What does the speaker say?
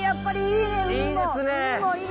いいですね！